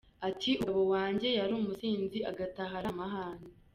Ati “Umugabo wanjye yari umusinzi, agataha ari amahane.